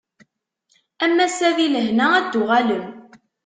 Am wass-a di lehna ad d-tuɣalem.